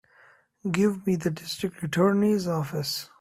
Give me the District Attorney's office.